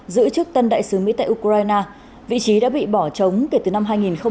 giữ chức tân đại sứ mỹ tại ukraine vị trí đã bị bỏ trốn kể từ năm hai nghìn một mươi